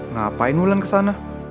ngapain wulan kesana